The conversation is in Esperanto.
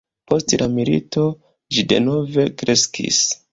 Post la milito ĝi denove kreskis.